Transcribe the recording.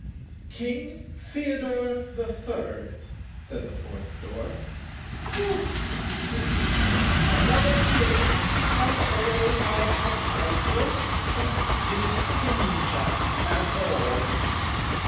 "King Theodore the Third," said the fourth door. "Whew!" whistled Notta. "Another King! Come away, Bob Up, I don't trust these king chaps at all."